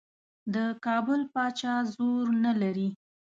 د کابل پاچا زور نه لري.